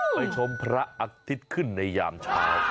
ไปชมพระอาทิตย์ขึ้นในยามเช้า